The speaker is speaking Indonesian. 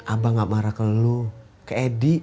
abang gak marah ke lo ke edi